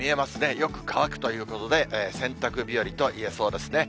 よく乾くということで、洗濯日和といえそうですね。